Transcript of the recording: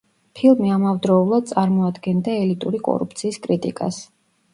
ფილმი ამავდროულად წარმოადგენდა ელიტური კორუფციის კრიტიკას.